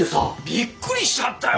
びっくりしちゃったよ